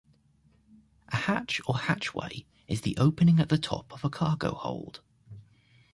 A hatch or hatchway is the opening at the top of a cargo hold.